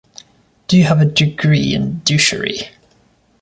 Do you have a degree in douchery?